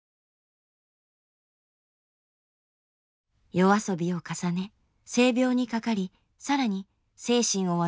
夜遊びを重ね性病にかかり更に精神を患います。